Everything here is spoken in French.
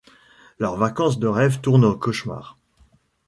Leurs vacances de rêve tournent au cauchemar.